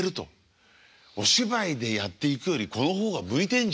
お芝居でやっていくよりこの方が向いてんじゃないか。